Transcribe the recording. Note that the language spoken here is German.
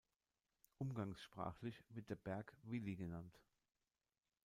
Umgangssprachlich wird der Berg „Willi“ genannt.